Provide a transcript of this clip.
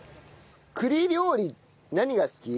栗料理何が好き？